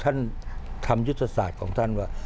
ท่านทำยุทธศาสตร์ของท่านว่า